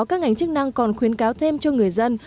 các ngành chức năng còn khuyến cáo thêm cho người dân